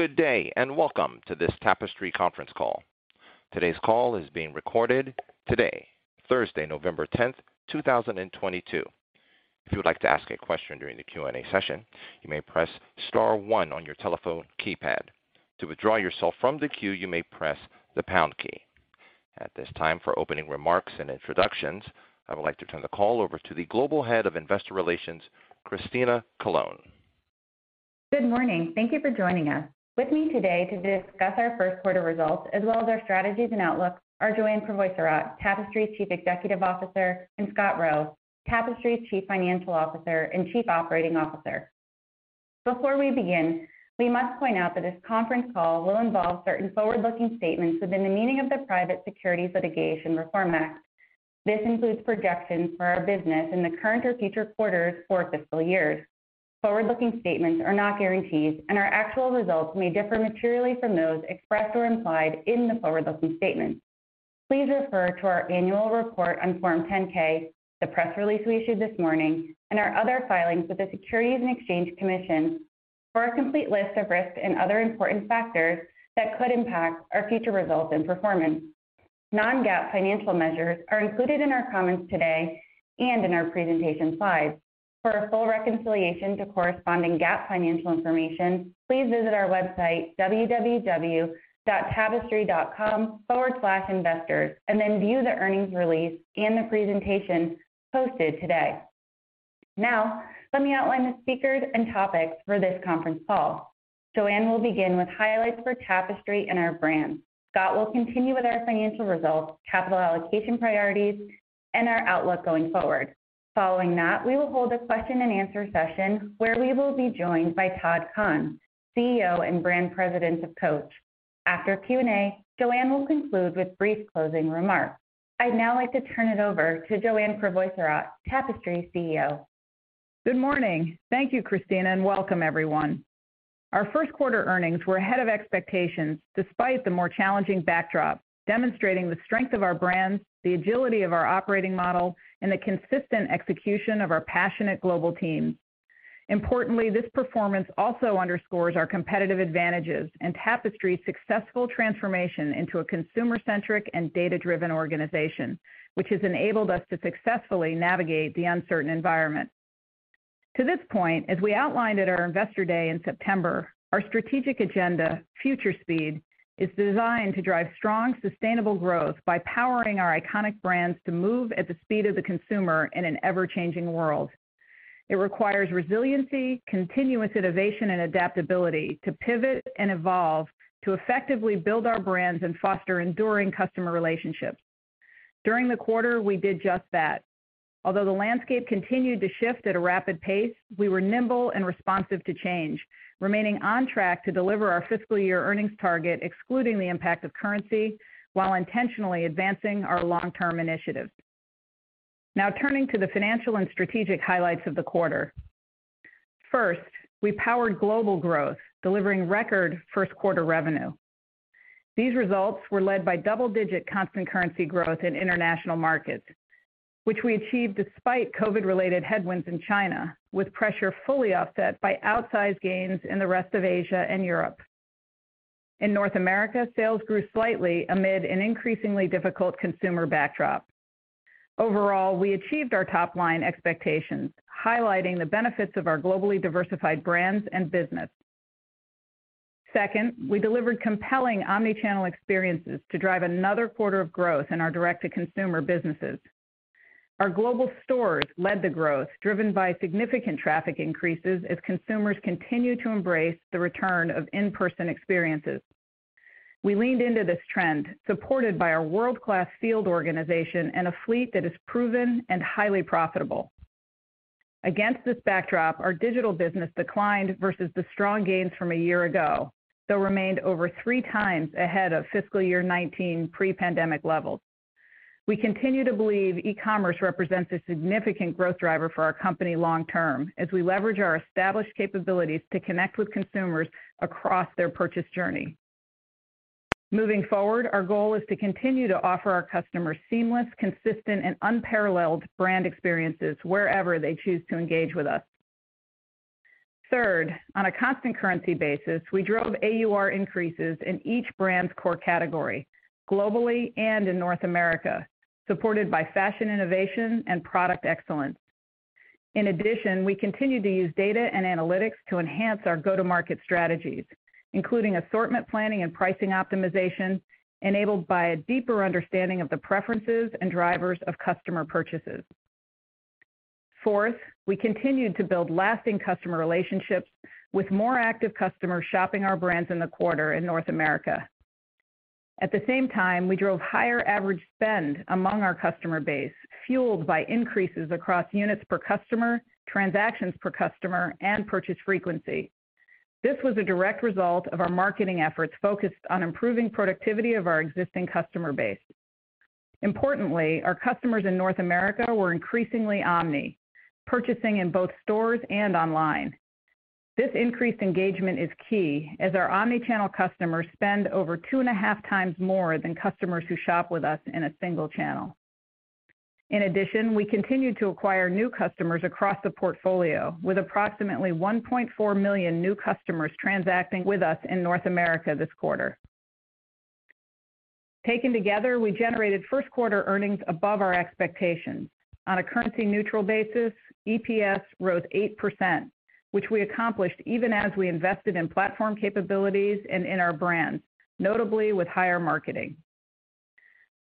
Good day, and welcome to this Tapestry conference call. Today's call is being recorded today, Thursday, November 10th, 2022. If you would like to ask a question during the Q&A session, you may press star one on your telephone keypad. To withdraw yourself from the queue, you may press the pound key. At this time, for opening remarks and introductions, I would like to turn the call over to the Global Head of Investor Relations, Christina Colone. Good morning. Thank you for joining us. With me today to discuss our first quarter results, as well as our strategies and outlook, are Joanne Crevoiserat, Tapestry's Chief Executive Officer, and Scott Roe, Tapestry's Chief Financial Officer and Chief Operating Officer. Before we begin, we must point out that this conference call will involve certain forward-looking statements within the meaning of the Private Securities Litigation Reform Act. This includes projections for our business in the current or future quarters or fiscal years. Forward-looking statements are not guarantees, and our actual results may differ materially from those expressed or implied in the forward-looking statements. Please refer to our annual report on Form 10-K, the press release we issued this morning, and our other filings with the Securities and Exchange Commission for a complete list of risks and other important factors that could impact our future results and performance. Non-GAAP financial measures are included in our comments today and in our presentation slides. For a full reconciliation to corresponding GAAP financial information, please visit our website, www.tapestry.com/investors, and then view the earnings release and the presentation posted today. Now, let me outline the speakers and topics for this conference call. Joanne will begin with highlights for Tapestry and our brands. Scott will continue with our financial results, capital allocation priorities, and our outlook going forward. Following that, we will hold a question-and-answer session where we will be joined by Todd Kahn, CEO and Brand President of Coach. After Q&A, Joanne will conclude with brief closing remarks. I'd now like to turn it over to Joanne Crevoiserat, Tapestry's CEO. Good morning. Thank you, Christina, and welcome everyone. Our first quarter earnings were ahead of expectations despite the more challenging backdrop, demonstrating the strength of our brands, the agility of our operating model, and the consistent execution of our passionate global team. Importantly, this performance also underscores our competitive advantages and Tapestry's successful transformation into a consumer-centric and data-driven organization, which has enabled us to successfully navigate the uncertain environment. To this point, as we outlined at our Investor Day in September, our strategic agenda, Future Speed, is designed to drive strong, sustainable growth by powering our iconic brands to move at the speed of the consumer in an ever-changing world. It requires resiliency, continuous innovation, and adaptability to pivot and evolve to effectively build our brands and foster enduring customer relationships. During the quarter, we did just that. Although the landscape continued to shift at a rapid pace, we were nimble and responsive to change, remaining on track to deliver our fiscal year earnings target, excluding the impact of currency, while intentionally advancing our long-term initiatives. Now turning to the financial and strategic highlights of the quarter. First, we powered global growth, delivering record first quarter revenue. These results were led by double-digit constant currency growth in international markets, which we achieved despite COVID-related headwinds in China, with pressure fully offset by outsized gains in the rest of Asia and Europe. In North America, sales grew slightly amid an increasingly difficult consumer backdrop. Overall, we achieved our top-line expectations, highlighting the benefits of our globally diversified brands and business. Second, we delivered compelling omnichannel experiences to drive another quarter of growth in our direct-to-consumer businesses. Our global stores led the growth, driven by significant traffic increases as consumers continued to embrace the return of in-person experiences. We leaned into this trend, supported by our world-class field organization and a fleet that is proven and highly profitable. Against this backdrop, our digital business declined versus the strong gains from a year ago, though remained over 3x ahead of fiscal year 2019 pre-pandemic levels. We continue to believe e-commerce represents a significant growth driver for our company long term as we leverage our established capabilities to connect with consumers across their purchase journey. Moving forward, our goal is to continue to offer our customers seamless, consistent, and unparalleled brand experiences wherever they choose to engage with us. Third, on a constant currency basis, we drove AUR increases in each brand's core category, globally and in North America, supported by fashion innovation and product excellence. In addition, we continue to use data and analytics to enhance our go-to-market strategies, including assortment planning and pricing optimization, enabled by a deeper understanding of the preferences and drivers of customer purchases. Fourth, we continued to build lasting customer relationships with more active customers shopping our brands in the quarter in North America. At the same time, we drove higher average spend among our customer base, fueled by increases across units per customer, transactions per customer, and purchase frequency. This was a direct result of our marketing efforts focused on improving productivity of our existing customer base. Importantly, our customers in North America were increasingly omni, purchasing in both stores and online. This increased engagement is key as our omnichannel customers spend over 2.5x more than customers who shop with us in a single channel. In addition, we continued to acquire new customers across the portfolio, with approximately 1.4 million new customers transacting with us in North America this quarter. Taken together, we generated first quarter earnings above our expectations. On a currency-neutral basis, EPS rose 8%, which we accomplished even as we invested in platform capabilities and in our brands, notably with higher marketing.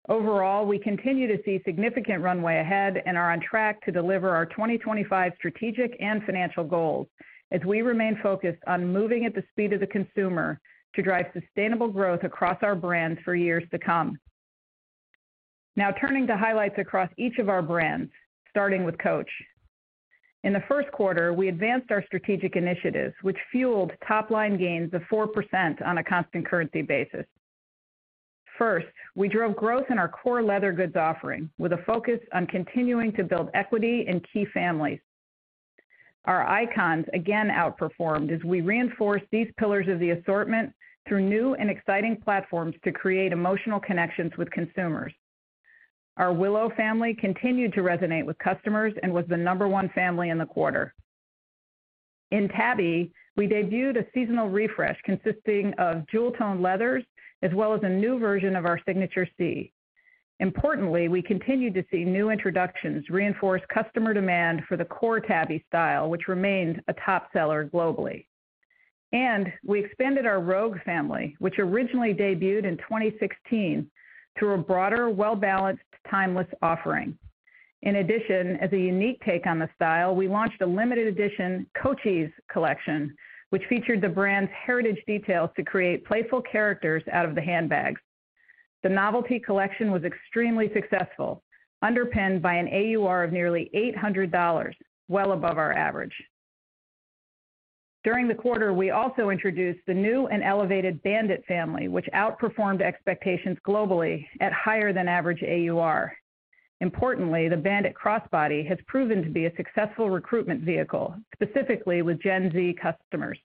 Overall, we continue to see significant runway ahead and are on track to deliver our 2025 strategic and financial goals as we remain focused on moving at the speed of the consumer to drive sustainable growth across our brands for years to come. Now turning to highlights across each of our brands, starting with Coach. In the first quarter, we advanced our strategic initiatives, which fueled top line gains of 4% on a constant currency basis. First, we drove growth in our core leather goods offering with a focus on continuing to build equity in key families. Our icons again outperformed as we reinforced these pillars of the assortment through new and exciting platforms to create emotional connections with consumers. Our Willow family continued to resonate with customers and was the number one family in the quarter. In Tabby, we debuted a seasonal refresh consisting of jewel tone leathers as well as a new version of our Signature C. Importantly, we continue to see new introductions reinforce customer demand for the core Tabby style, which remains a top seller globally. We expanded our Rogue family, which originally debuted in 2016, through a broader, well-balanced, timeless offering. In addition, as a unique take on the style, we launched a limited edition Coachies collection, which featured the brand's heritage details to create playful characters out of the handbags. The novelty collection was extremely successful, underpinned by an AUR of nearly $800, well above our average. During the quarter, we also introduced the new and elevated Bandit family, which outperformed expectations globally at higher-than-average AUR. Importantly, the Bandit crossbody has proven to be a successful recruitment vehicle, specifically with Gen Z customers.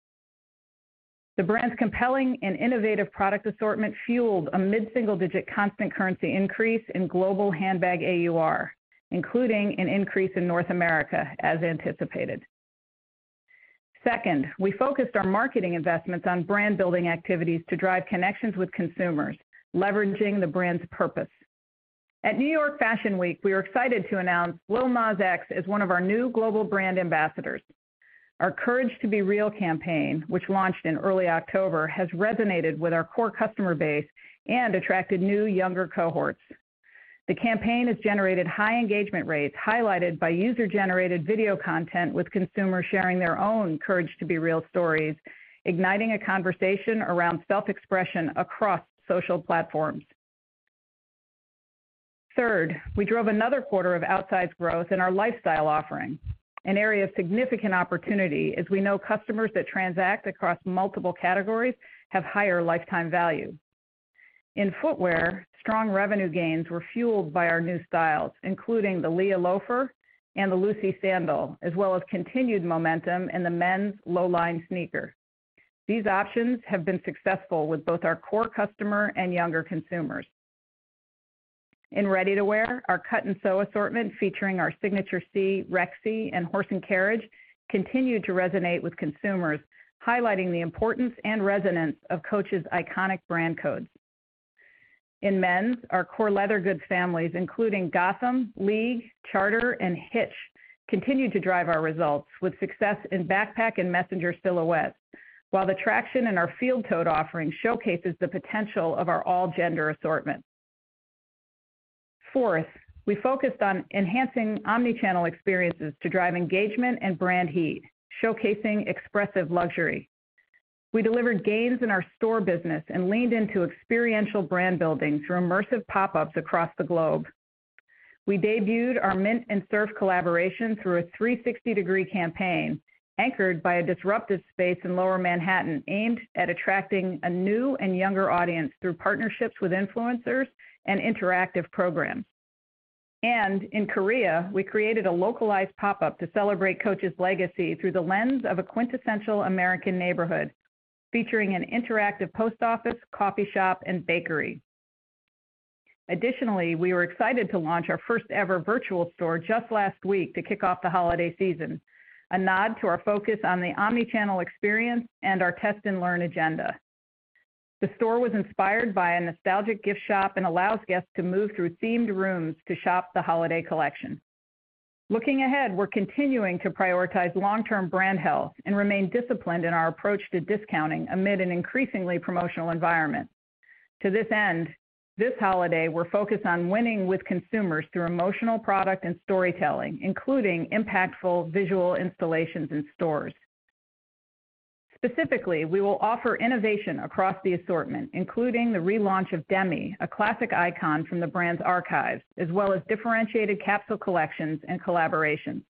The brand's compelling and innovative product assortment fueled a mid-single-digit constant currency increase in global handbag AUR, including an increase in North America as anticipated. Second, we focused our marketing investments on brand building activities to drive connections with consumers, leveraging the brand's purpose. At New York Fashion Week, we are excited to announce Lil Nas X as one of our new global brand ambassadors. Our Courage to Be Real campaign, which launched in early October, has resonated with our core customer base and attracted new younger cohorts. The campaign has generated high engagement rates, highlighted by user-generated video content with consumers sharing their own Courage to Be Real stories, igniting a conversation around self-expression across social platforms. Third, we drove another quarter of outsized growth in our lifestyle offering, an area of significant opportunity as we know customers that transact across multiple categories have higher lifetime value. In footwear, strong revenue gains were fueled by our new styles, including the Leah loafer and the Lucy sandal, as well as continued momentum in the men's Lowline sneaker. These options have been successful with both our core customer and younger consumers. In ready-to-wear, our cut-and-sew assortment featuring our Signature C, Rexy, and horse and carriage continued to resonate with consumers, highlighting the importance and resonance of Coach's iconic brand codes. In men's, our core leather goods families, including Gotham, League, Charter, and Hitch, continued to drive our results with success in backpack and messenger silhouettes, while the traction in our field tote offering showcases the potential of our all-gender assortment. Fourth, we focused on enhancing omni-channel experiences to drive engagement and brand heat, showcasing expressive luxury. We delivered gains in our store business and leaned into experiential brand building through immersive pop-ups across the globe. We debuted our Mint & Serf collaboration through a 360-degree campaign anchored by a disruptive space in Lower Manhattan aimed at attracting a new and younger audience through partnerships with influencers and interactive programs. In Korea, we created a localized pop-up to celebrate Coach's legacy through the lens of a quintessential American neighborhood, featuring an interactive post office, coffee shop, and bakery. Additionally, we were excited to launch our first ever virtual store just last week to kick off the holiday season, a nod to our focus on the omni-channel experience and our test and learn agenda. The store was inspired by a nostalgic gift shop and allows guests to move through themed rooms to shop the holiday collection. Looking ahead, we're continuing to prioritize long-term brand health and remain disciplined in our approach to discounting amid an increasingly promotional environment. To this end, this holiday, we're focused on winning with consumers through emotional product and storytelling, including impactful visual installations in stores. Specifically, we will offer innovation across the assortment, including the relaunch of Demi, a classic icon from the brand's archives, as well as differentiated capsule collections and collaborations.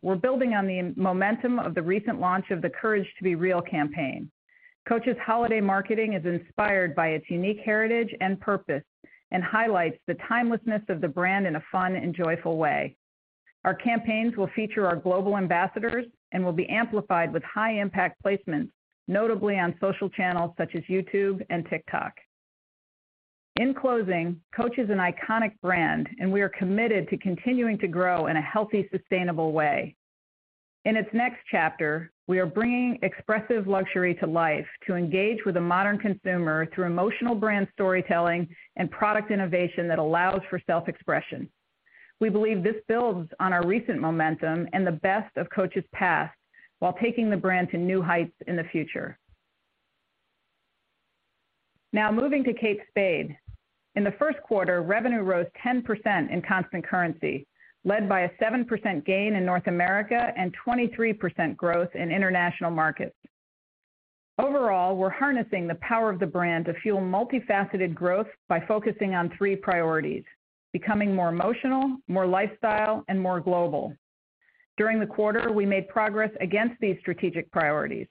We're building on the momentum of the recent launch of the Courage to Be Real campaign. Coach's holiday marketing is inspired by its unique heritage and purpose and highlights the timelessness of the brand in a fun and joyful way. Our campaigns will feature our global ambassadors and will be amplified with high impact placements, notably on social channels such as YouTube and TikTok. In closing, Coach is an iconic brand, and we are committed to continuing to grow in a healthy, sustainable way. In its next chapter, we are bringing expressive luxury to life to engage with the modern consumer through emotional brand storytelling and product innovation that allows for self-expression. We believe this builds on our recent momentum and the best of Coach's past while taking the brand to new heights in the future. Now moving to Kate Spade. In the first quarter, revenue rose 10% in constant currency, led by a 7% gain in North America and 23% growth in international markets. Overall, we're harnessing the power of the brand to fuel multifaceted growth by focusing on three priorities, becoming more emotional, more lifestyle, and more global. During the quarter, we made progress against these strategic priorities.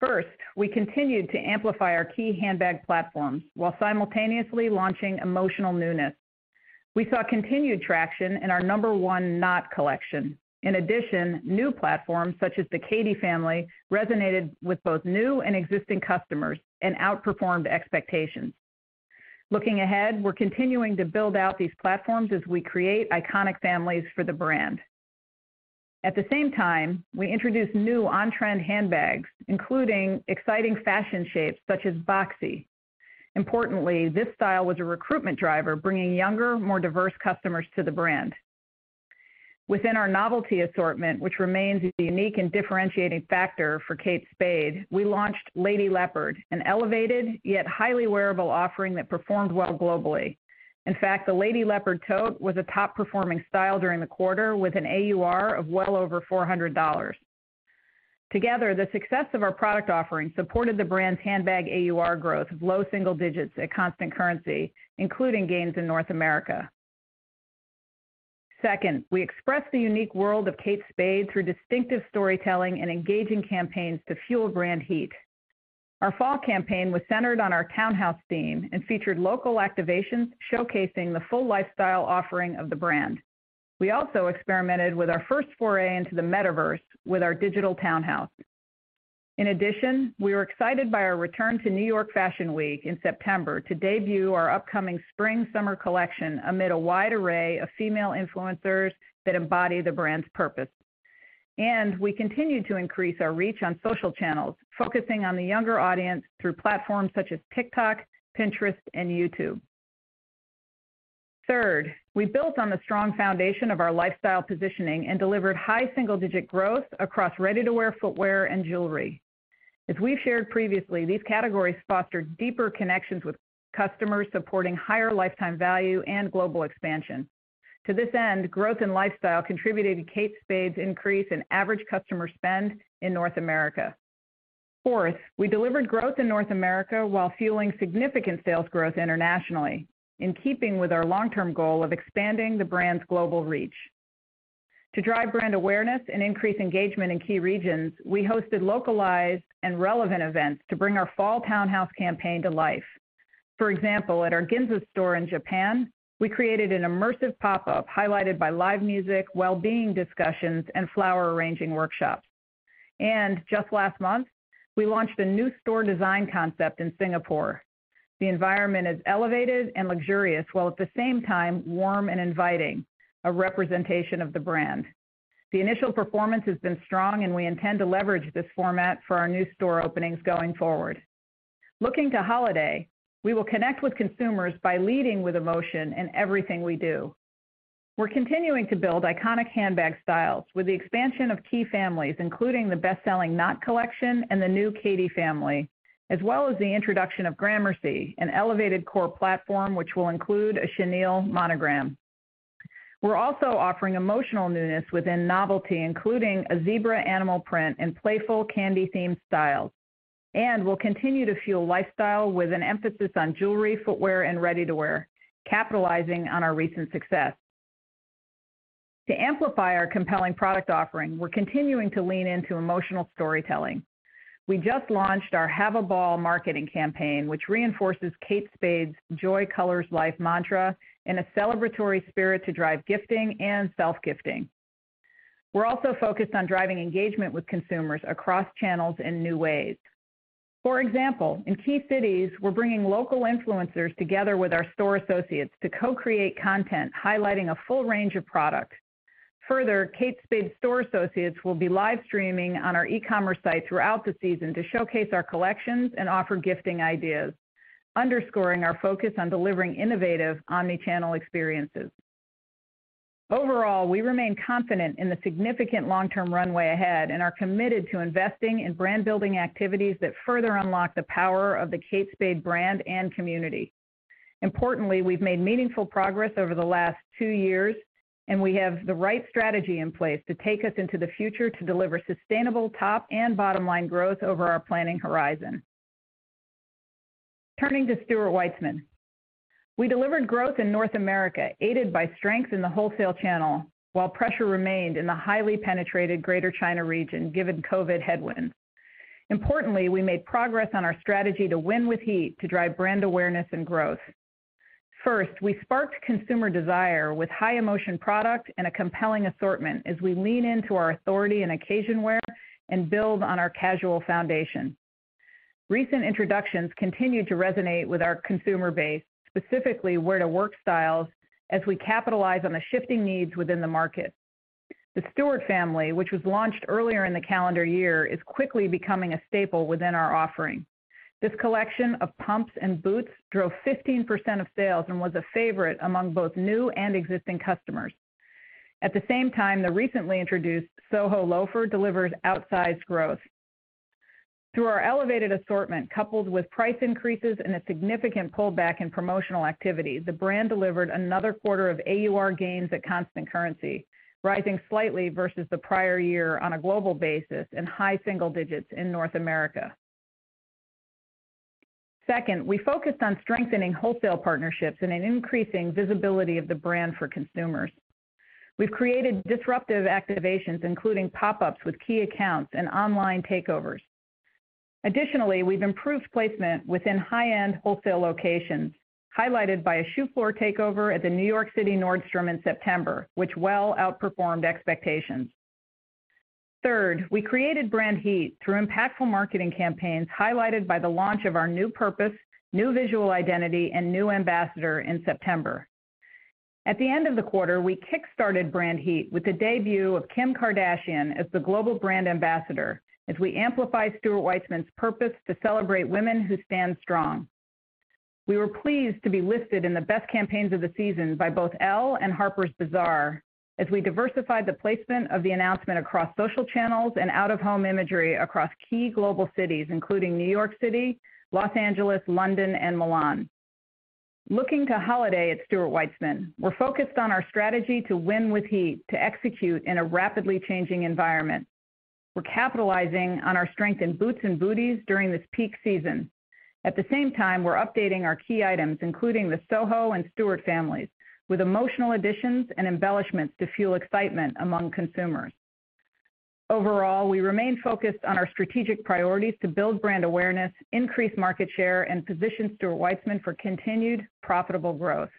First, we continued to amplify our key handbag platforms while simultaneously launching emotional newness. We saw continued traction in our number one Knot collection. In addition, new platforms such as the Katy family resonated with both new and existing customers and outperformed expectations. Looking ahead, we're continuing to build out these platforms as we create iconic families for the brand. At the same time, we introduced new on-trend handbags, including exciting fashion shapes such as Boxy. Importantly, this style was a recruitment driver, bringing younger, more diverse customers to the brand. Within our novelty assortment, which remains a unique and differentiating factor for Kate Spade, we launched Lady Leopard, an elevated yet highly wearable offering that performed well globally. In fact, the Lady Leopard tote was a top-performing style during the quarter with an AUR of well over $400. Together, the success of our product offerings supported the brand's handbag AUR growth of low single digits at constant currency, including gains in North America. Second, we expressed the unique world of Kate Spade through distinctive storytelling and engaging campaigns to fuel brand heat. Our fall campaign was centered on our townhouse theme and featured local activations showcasing the full lifestyle offering of the brand. We also experimented with our first foray into the metaverse with our digital townhouse. In addition, we are excited by our return to New York Fashion Week in September to debut our upcoming Spring/Summer collection amid a wide array of female influencers that embody the brand's purpose. We continue to increase our reach on social channels, focusing on the younger audience through platforms such as TikTok, Pinterest, and YouTube. Third, we built on the strong foundation of our lifestyle positioning and delivered high single-digit growth across ready-to-wear footwear and jewelry. As we've shared previously, these categories fostered deeper connections with customers supporting higher lifetime value and global expansion. To this end, growth in lifestyle contributed to Kate Spade's increase in average customer spend in North America. Fourth, we delivered growth in North America while fueling significant sales growth internationally, in keeping with our long-term goal of expanding the brand's global reach. To drive brand awareness and increase engagement in key regions, we hosted localized and relevant events to bring our fall townhouse campaign to life. For example, at our Ginza store in Japan, we created an immersive pop-up highlighted by live music, well-being discussions, and flower arranging workshops. Just last month, we launched a new store design concept in Singapore. The environment is elevated and luxurious, while at the same time warm and inviting, a representation of the brand. The initial performance has been strong, and we intend to leverage this format for our new store openings going forward. Looking to holiday, we will connect with consumers by leading with emotion in everything we do. We're continuing to build iconic handbag styles with the expansion of key families, including the best-selling Knot collection and the new Katy family, as well as the introduction of Gramercy, an elevated core platform which will include a chenille monogram. We're also offering emotional newness within novelty, including a zebra animal print and playful candy-themed styles. We'll continue to fuel lifestyle with an emphasis on jewelry, footwear, and ready-to-wear, capitalizing on our recent success. To amplify our compelling product offering, we're continuing to lean into emotional storytelling. We just launched our Have a Ball marketing campaign, which reinforces Kate Spade's Joy Colors Life mantra in a celebratory spirit to drive gifting and self-gifting. We're also focused on driving engagement with consumers across channels in new ways. For example, in key cities, we're bringing local influencers together with our store associates to co-create content highlighting a full range of products. Further, Kate Spade store associates will be live streaming on our e-commerce site throughout the season to showcase our collections and offer gifting ideas, underscoring our focus on delivering innovative omni-channel experiences. Overall, we remain confident in the significant long-term runway ahead and are committed to investing in brand-building activities that further unlock the power of the Kate Spade brand and community. Importantly, we've made meaningful progress over the last two years, and we have the right strategy in place to take us into the future to deliver sustainable top and bottom-line growth over our planning horizon. Turning to Stuart Weitzman. We delivered growth in North America, aided by strength in the wholesale channel, while pressure remained in the highly penetrated Greater China region given COVID headwinds. Importantly, we made progress on our strategy to win with heel to drive brand awareness and growth. First, we sparked consumer desire with high emotion product and a compelling assortment as we lean into our authority and occasion wear and build on our casual foundation. Recent introductions continue to resonate with our consumer base, specifically wear-to-work styles as we capitalize on the shifting needs within the market. The Stuart family, which was launched earlier in the calendar year, is quickly becoming a staple within our offering. This collection of pumps and boots drove 15% of sales and was a favorite among both new and existing customers. At the same time, the recently introduced Soho loafer delivered outsized growth. Through our elevated assortment, coupled with price increases and a significant pullback in promotional activity, the brand delivered another quarter of AUR gains at constant currency, rising slightly versus the prior year on a global basis in high single digits in North America. Second, we focused on strengthening wholesale partnerships and in increasing visibility of the brand for consumers. We've created disruptive activations, including pop-ups with key accounts and online takeovers. Additionally, we've improved placement within high-end wholesale locations, highlighted by a shoe floor takeover at the New York City Nordstrom in September, which well outperformed expectations. Third, we created brand heat through impactful marketing campaigns, highlighted by the launch of our new purpose, new visual identity, and new ambassador in September. At the end of the quarter, we kick-started brand heat with the debut of Kim Kardashian as the global brand ambassador as we amplify Stuart Weitzman's purpose to celebrate women who stand strong. We were pleased to be listed in the best campaigns of the season by both Elle and Harper's Bazaar as we diversified the placement of the announcement across social channels and out-of-home imagery across key global cities, including New York City, Los Angeles, London, and Milan. Looking ahead to holiday at Stuart Weitzman, we're focused on our strategy to win with feet to execute in a rapidly changing environment. We're capitalizing on our strength in boots and booties during this peak season. At the same time, we're updating our key items, including the Soho and Stuart families, with emotional additions and embellishments to fuel excitement among consumers. Overall, we remain focused on our strategic priorities to build brand awareness, increase market share, and position Stuart Weitzman for continued profitable growth.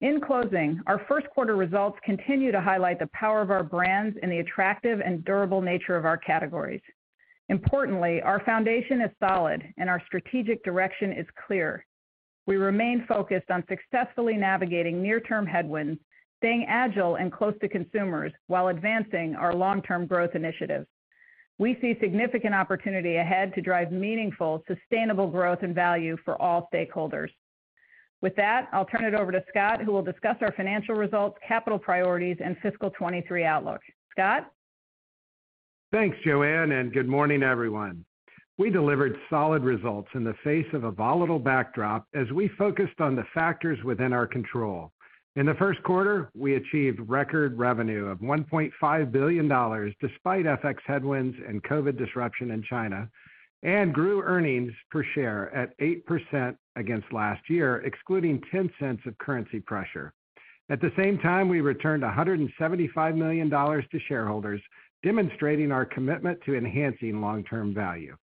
In closing, our first quarter results continue to highlight the power of our brands and the attractive and durable nature of our categories. Importantly, our foundation is solid and our strategic direction is clear. We remain focused on successfully navigating near-term headwinds, staying agile and close to consumers while advancing our long-term growth initiatives. We see significant opportunity ahead to drive meaningful, sustainable growth and value for all stakeholders. With that, I'll turn it over to Scott, who will discuss our financial results, capital priorities, and fiscal 2023 outlook. Scott? Thanks, Joanne, and good morning, everyone. We delivered solid results in the face of a volatile backdrop as we focused on the factors within our control. In the first quarter, we achieved record revenue of $1.5 billion, despite FX headwinds and COVID disruption in China, and grew earnings per share at 8% against last year, excluding $0.10 of currency pressure. At the same time, we returned $175 million to shareholders, demonstrating our commitment to enhancing long-term value.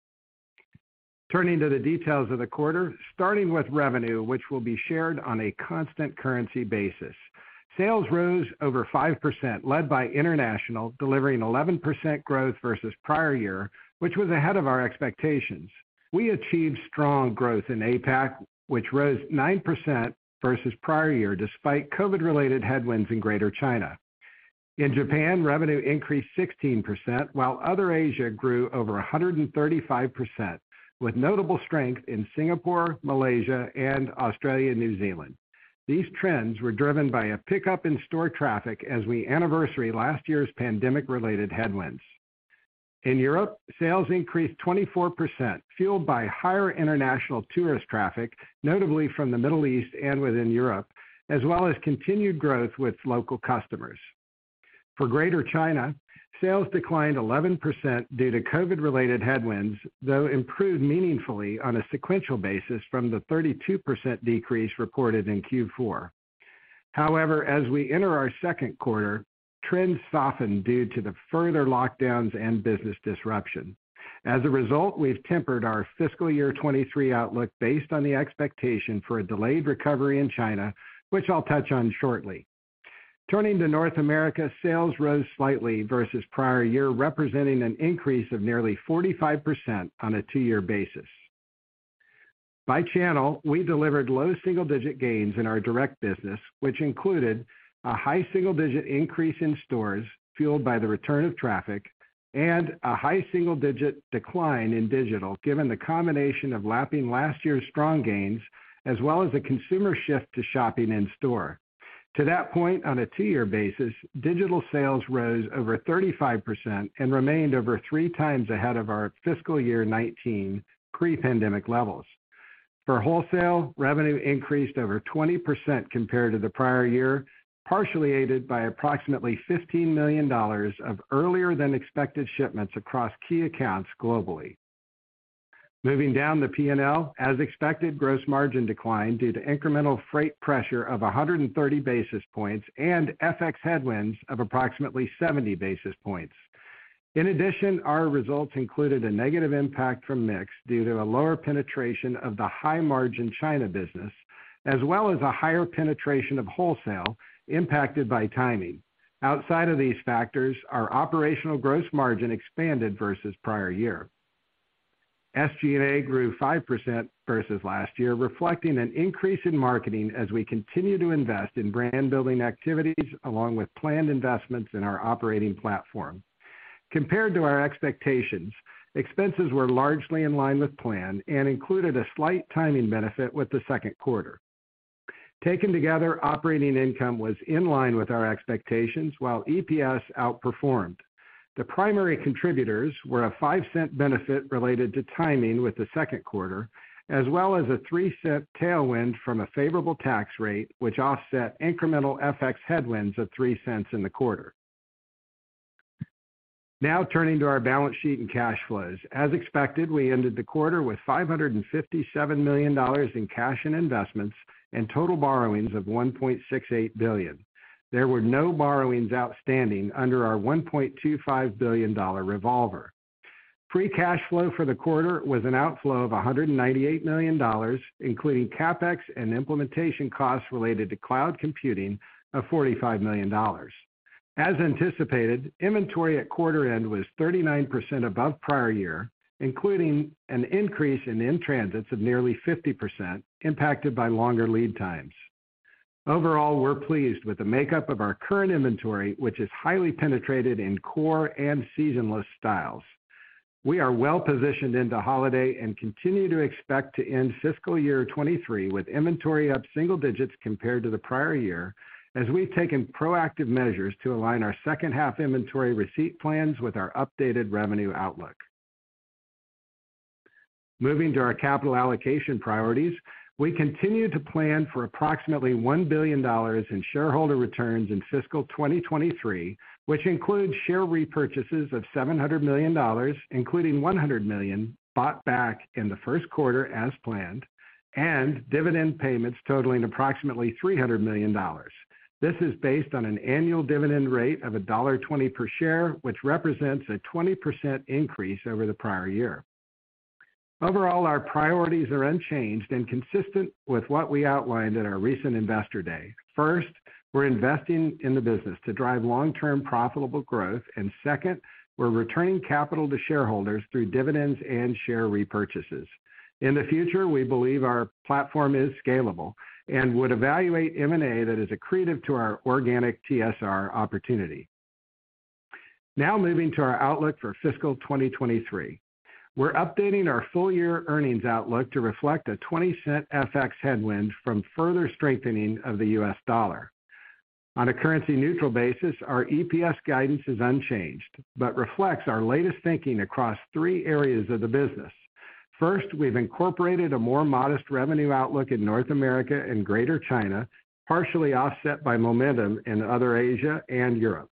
Turning to the details of the quarter, starting with revenue, which will be shared on a constant currency basis. Sales rose over 5%, led by international, delivering 11% growth versus prior year, which was ahead of our expectations. We achieved strong growth in APAC, which rose 9% versus prior year, despite COVID-related headwinds in Greater China. In Japan, revenue increased 16%, while other Asia grew over 135%, with notable strength in Singapore, Malaysia, and Australia, New Zealand. These trends were driven by a pickup in store traffic as we anniversary last year's pandemic-related headwinds. In Europe, sales increased 24%, fueled by higher international tourist traffic, notably from the Middle East and within Europe, as well as continued growth with local customers. For Greater China, sales declined 11% due to COVID-related headwinds, though improved meaningfully on a sequential basis from the 32% decrease reported in Q4. However, as we enter our second quarter, trends softened due to the further lockdowns and business disruption. As a result, we've tempered our fiscal year 2023 outlook based on the expectation for a delayed recovery in China, which I'll touch on shortly. Turning to North America, sales rose slightly versus prior year, representing an increase of nearly 45% on a two-year basis. By channel, we delivered low single-digit gains in our direct business, which included a high single-digit increase in stores fueled by the return of traffic and a high single-digit decline in digital, given the combination of lapping last year's strong gains, as well as the consumer shift to shopping in store. To that point, on a two-year basis, digital sales rose over 35% and remained over 3x ahead of our fiscal year 2019 pre-pandemic levels. For wholesale, revenue increased over 20% compared to the prior year, partially aided by approximately $15 million of earlier than expected shipments across key accounts globally. Moving down the P&L, as expected, gross margin declined due to incremental freight pressure of 130 basis points and FX headwinds of approximately 70 basis points. In addition, our results included a negative impact from mix due to a lower penetration of the high-margin China business, as well as a higher penetration of wholesale impacted by timing. Outside of these factors, our operational gross margin expanded versus prior year. SG&A grew 5% versus last year, reflecting an increase in marketing as we continue to invest in brand-building activities along with planned investments in our operating platform. Compared to our expectations, expenses were largely in line with plan and included a slight timing benefit with the second quarter. Taken together, operating income was in line with our expectations while EPS outperformed. The primary contributors were a $0.05 benefit related to timing with the second quarter, as well as a $0.03 tailwind from a favorable tax rate, which offset incremental FX headwinds of $0.03 in the quarter. Now turning to our balance sheet and cash flows. As expected, we ended the quarter with $557 million in cash and investments and total borrowings of $1.68 billion. There were no borrowings outstanding under our $1.25 billion revolver. Free cash flow for the quarter was an outflow of $198 million, including CapEx and implementation costs related to cloud computing of $45 million. As anticipated, inventory at quarter end was 39% above prior year, including an increase in in-transits of nearly 50% impacted by longer lead times. Overall, we're pleased with the makeup of our current inventory, which is highly penetrated in core and seasonless styles. We are well-positioned into holiday and continue to expect to end fiscal year 2023 with inventory up single digits compared to the prior year as we've taken proactive measures to align our second half inventory receipt plans with our updated revenue outlook. Moving to our capital allocation priorities, we continue to plan for approximately $1 billion in shareholder returns in fiscal 2023, which includes share repurchases of $700 million, including $100 million bought back in the first quarter as planned, and dividend payments totaling approximately $300 million. This is based on an annual dividend rate of $1.20 per share, which represents a 20% increase over the prior year. Overall, our priorities are unchanged and consistent with what we outlined at our recent Investor Day. First, we're investing in the business to drive long-term profitable growth. Second, we're returning capital to shareholders through dividends and share repurchases. In the future, we believe our platform is scalable and would evaluate M&A that is accretive to our organic TSR opportunity. Now moving to our outlook for fiscal 2023. We're updating our full year earnings outlook to reflect a $0.20 FX headwind from further strengthening of the U.S. dollar. On a currency-neutral basis, our EPS guidance is unchanged but reflects our latest thinking across three areas of the business. First, we've incorporated a more modest revenue outlook in North America and Greater China, partially offset by momentum in other Asia and Europe.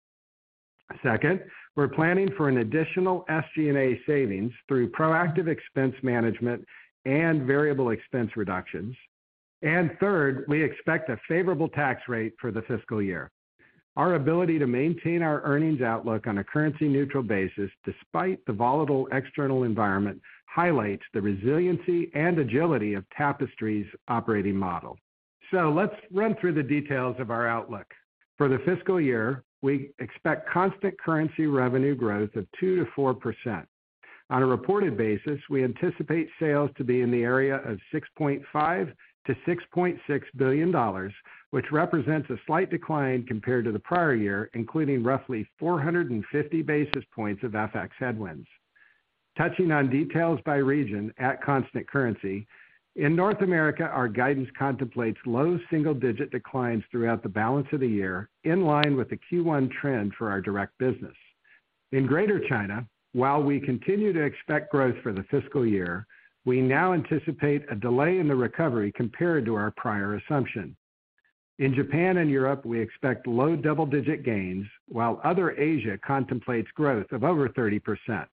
Second, we're planning for an additional SG&A savings through proactive expense management and variable expense reductions. Third, we expect a favorable tax rate for the fiscal year. Our ability to maintain our earnings outlook on a currency-neutral basis despite the volatile external environment highlights the resiliency and agility of Tapestry's operating model. Let's run through the details of our outlook. For the fiscal year, we expect constant currency revenue growth of 2%-4%. On a reported basis, we anticipate sales to be in the area of $6.5 billion-$6.6 billion, which represents a slight decline compared to the prior year, including roughly 450 basis points of FX headwinds. Touching on details by region at constant currency, in North America, our guidance contemplates low single-digit declines throughout the balance of the year, in line with the Q1 trend for our direct business. In Greater China, while we continue to expect growth for the fiscal year, we now anticipate a delay in the recovery compared to our prior assumption. In Japan and Europe, we expect low double-digit gains while other Asia contemplates growth of over 30%.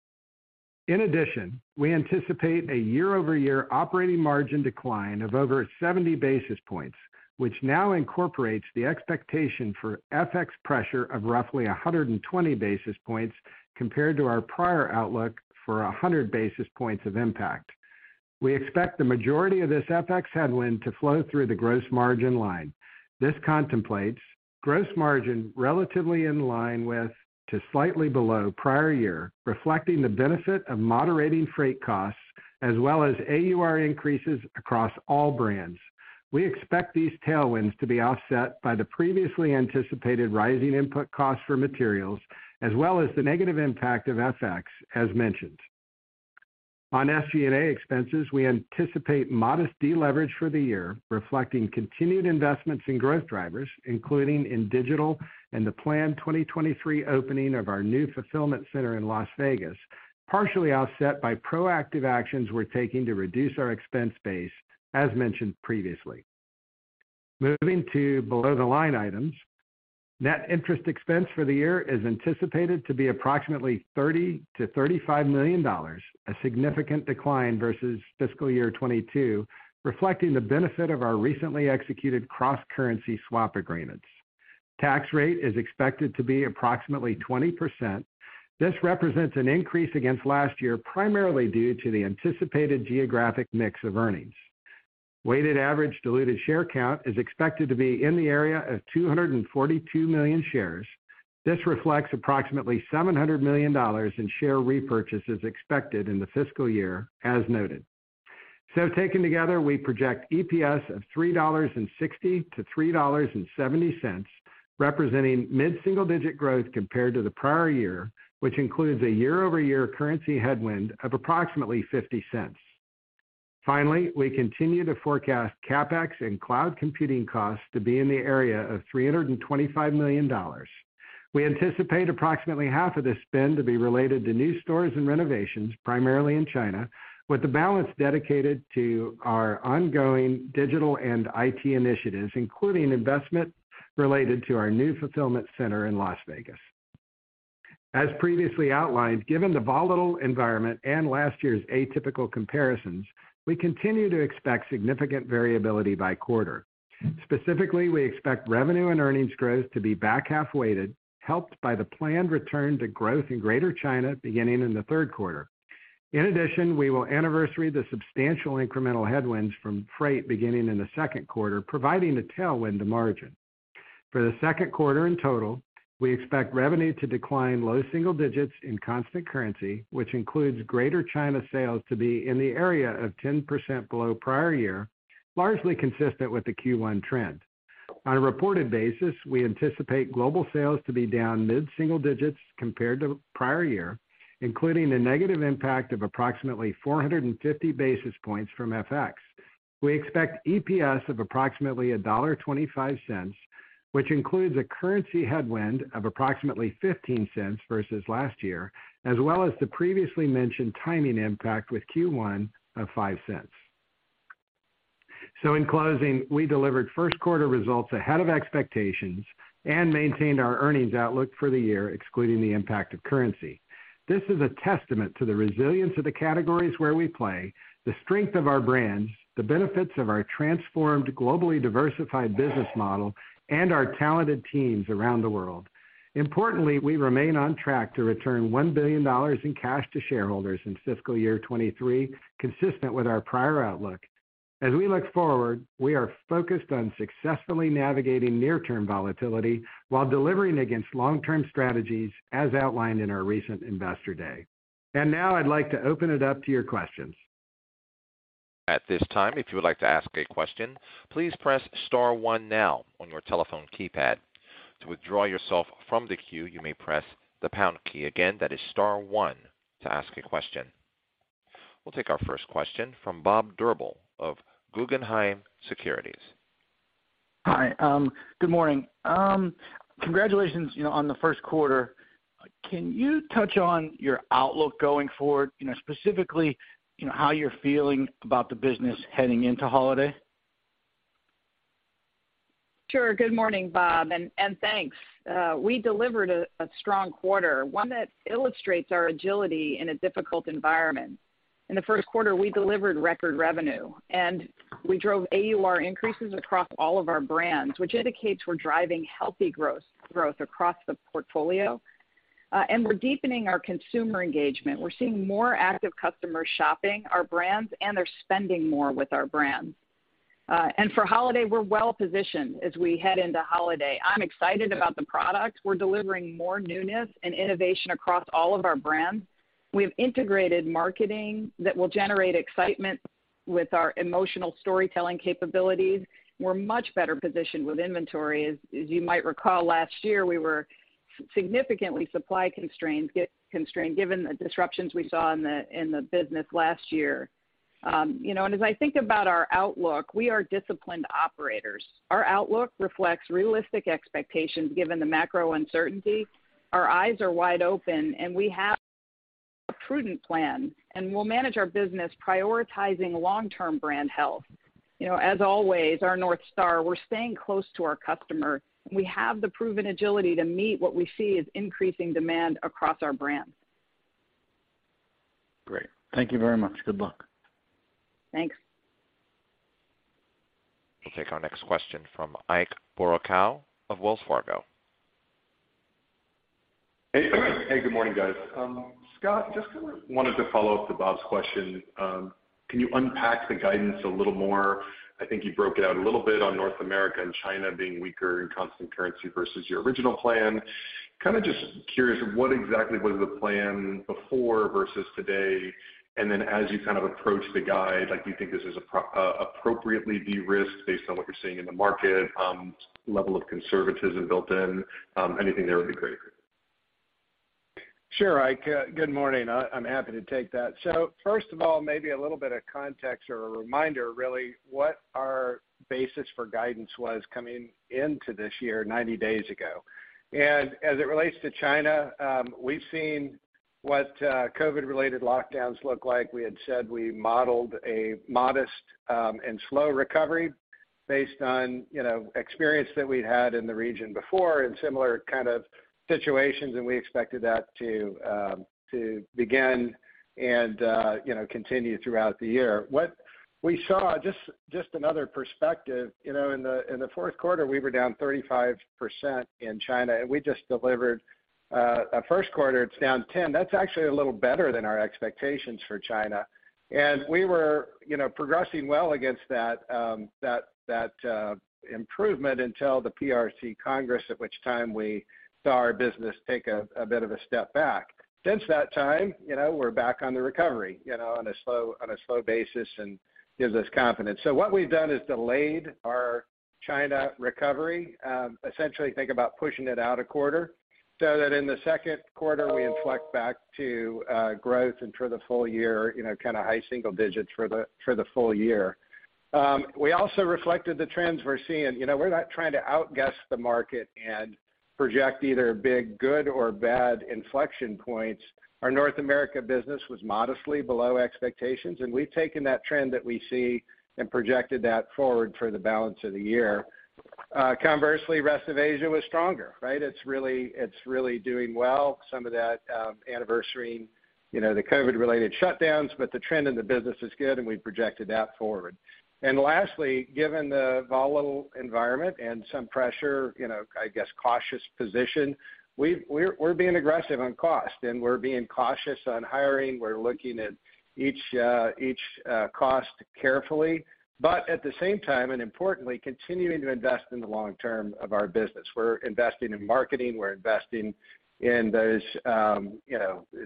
In addition, we anticipate a year-over-year operating margin decline of over 70 basis points, which now incorporates the expectation for FX pressure of roughly 120 basis points compared to our prior outlook for 100 basis points of impact. We expect the majority of this FX headwind to flow through the gross margin line. This contemplates gross margin relatively in line with to slightly below prior year, reflecting the benefit of moderating freight costs as well as AUR increases across all brands. We expect these tailwinds to be offset by the previously anticipated rising input costs for materials as well as the negative impact of FX as mentioned. On SG&A expenses, we anticipate modest deleverage for the year, reflecting continued investments in growth drivers, including in digital and the planned 2023 opening of our new fulfillment center in Las Vegas, partially offset by proactive actions we're taking to reduce our expense base as mentioned previously. Moving to below the line items. Net interest expense for the year is anticipated to be approximately $30 million-$35 million, a significant decline versus fiscal year 2022, reflecting the benefit of our recently executed cross-currency swap agreements. Tax rate is expected to be approximately 20%. This represents an increase against last year, primarily due to the anticipated geographic mix of earnings. Weighted average diluted share count is expected to be in the area of 242 million shares. This reflects approximately $700 million in share repurchases expected in the fiscal year as noted. Taken together, we project EPS of $3.60-$3.70, representing mid-single-digit growth compared to the prior year, which includes a year-over-year currency headwind of approximately $0.50. Finally, we continue to forecast CapEx and cloud computing costs to be in the area of $325 million. We anticipate approximately half of this spend to be related to new stores and renovations, primarily in China, with the balance dedicated to our ongoing digital and IT initiatives, including investment related to our new fulfillment center in Las Vegas. As previously outlined, given the volatile environment and last year's atypical comparisons, we continue to expect significant variability by quarter. Specifically, we expect revenue and earnings growth to be back-half weighted, helped by the planned return to growth in Greater China beginning in the third quarter. In addition, we will anniversary the substantial incremental headwinds from freight beginning in the second quarter, providing a tailwind to margin. For the second quarter in total, we expect revenue to decline low single digits in constant currency, which includes Greater China sales to be in the area of 10% below prior year, largely consistent with the Q1 trend. On a reported basis, we anticipate global sales to be down mid-single digits compared to prior year, including the negative impact of approximately 450 basis points from FX. We expect EPS of approximately $1.25, which includes a currency headwind of approximately $0.15 versus last year, as well as the previously mentioned timing impact with Q1 of $0.05. In closing, we delivered first quarter results ahead of expectations and maintained our earnings outlook for the year, excluding the impact of currency. This is a testament to the resilience of the categories where we play, the strength of our brands, the benefits of our transformed, globally diversified business model, and our talented teams around the world. Importantly, we remain on track to return $1 billion in cash to shareholders in fiscal year 2023, consistent with our prior outlook. As we look forward, we are focused on successfully navigating near-term volatility while delivering against long-term strategies as outlined in our recent Investor Day. Now I'd like to open it up to your questions. At this time, if you would like to ask a question, please press star one now on your telephone keypad. To withdraw yourself from the queue, you may press the pound key. Again, that is star one to ask a question. We'll take our first question from Bob Drbul of Guggenheim Securities. Hi, good morning. Congratulations, you know, on the first quarter. Can you touch on your outlook going forward, you know, specifically, you know, how you're feeling about the business heading into holiday? Sure. Good morning, Bob, and thanks. We delivered a strong quarter, one that illustrates our agility in a difficult environment. In the first quarter, we delivered record revenue, and we drove AUR increases across all of our brands, which indicates we're driving healthy growth across the portfolio. We're deepening our consumer engagement. We're seeing more active customers shopping our brands, and they're spending more with our brands. For holiday, we're well positioned as we head into holiday. I'm excited about the products. We're delivering more newness and innovation across all of our brands. We have integrated marketing that will generate excitement with our emotional storytelling capabilities. We're much better positioned with inventory. As you might recall, last year we were significantly supply constrained, given the disruptions we saw in the business last year. You know, as I think about our outlook, we are disciplined operators. Our outlook reflects realistic expectations given the macro uncertainty. Our eyes are wide open, and we have a prudent plan, and we'll manage our business prioritizing long-term brand health. You know, as always, our North Star, we're staying close to our customer, and we have the proven agility to meet what we see as increasing demand across our brands. Great. Thank you very much. Good luck. Thanks. We'll take our next question from Ike Boruchow of Wells Fargo. Hey. Hey, good morning, guys. Scott, just kinda wanted to follow up to Bob's question. Can you unpack the guidance a little more? I think you broke it out a little bit on North America and China being weaker in constant currency versus your original plan. Kinda just curious, what exactly was the plan before versus today? As you kind of approach the guide, like, do you think this is appropriately de-risked based on what you're seeing in the market, level of conservatism built in? Anything there would be great. Sure, Ike. Good morning. I'm happy to take that. First of all, maybe a little bit of context or a reminder, really, what our basis for guidance was coming into this year, 90 days ago. As it relates to China, we've seen what COVID-related lockdowns look like. We had said we modeled a modest and slow recovery based on, you know, experience that we'd had in the region before in similar kind of situations, and we expected that to begin and, you know, continue throughout the year. What we saw, just another perspective, you know, in the fourth quarter, we were down 35% in China, and we just delivered a first quarter, it's down 10%. That's actually a little better than our expectations for China. We were, you know, progressing well against that improvement until the National People's Congress, at which time we saw our business take a bit of a step back. Since that time, you know, we're back on the recovery, you know, on a slow basis and gives us confidence. What we've done is delayed our China recovery. Essentially think about pushing it out a quarter so that in the second quarter we inflect back to growth. For the full year, you know, kind of high single digits for the full year. We also reflected the trends we're seeing. You know, we're not trying to outguess the market and project either big good or bad inflection points. Our North America business was modestly below expectations, and we've taken that trend that we see and projected that forward for the balance of the year. Conversely, rest of Asia was stronger, right? It's really doing well. Some of that, anniversary, the COVID-related shutdowns, but the trend in the business is good, and we've projected that forward. Lastly, given the volatile environment and some pressure, I guess cautious position, we're being aggressive on cost, and we're being cautious on hiring. We're looking at each cost carefully, but at the same time, and importantly, continuing to invest in the long term of our business. We're investing in marketing. We're investing in those,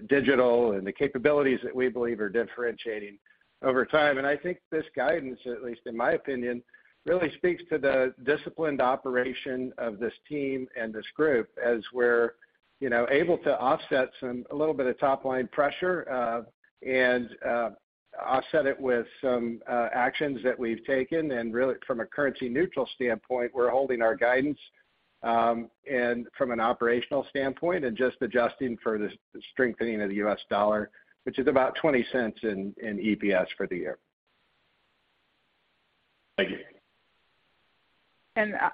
digital and the capabilities that we believe are differentiating over time. I think this guidance, at least in my opinion, really speaks to the disciplined operation of this team and this group as we're, you know, able to offset some, a little bit of top-line pressure, and offset it with some, actions that we've taken. Really, from a currency neutral standpoint, we're holding our guidance, and from an operational standpoint and just adjusting for the strengthening of the U.S. dollar, which is about $0.20 in EPS for the year. Thank you.